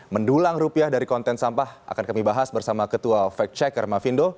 mendulang rupiah dari konten sampah akan kami bahas bersama ketua fact checker mavindo